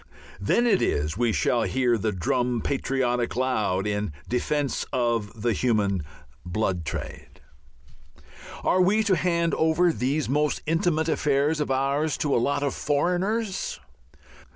Then it is we shall hear the drum patriotic loud in defence of the human blood trade. Are we to hand over these most intimate affairs of ours to "a lot of foreigners"?